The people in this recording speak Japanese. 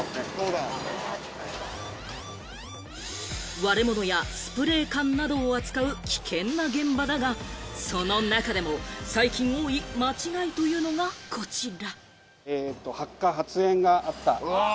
割れ物やスプレー缶などを扱う危険な現場だが、その中でも最近多い間違いというのがこちら。